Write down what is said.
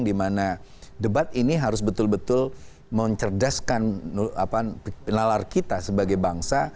dimana debat ini harus betul betul mencerdaskan nalar kita sebagai bangsa